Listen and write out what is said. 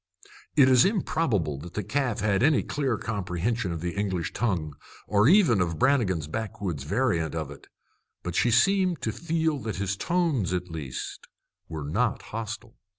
It is improbable that the calf had any clear comprehension of the English tongue, or even of Brannigan's backwoods variant of it. But she seemed to feel that his tones, at least, were not hostile.